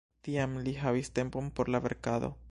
Tiam li havis tempon por la verkado.